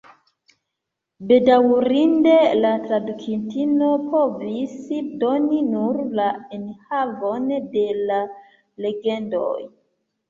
Bedaŭrinde, la tradukintino povis doni nur la enhavon de la legendoj.